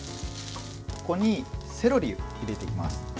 ここにセロリを入れていきます。